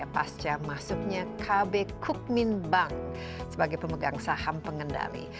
pasca masuknya kb kukmin bank sebagai pemegang saham pengendali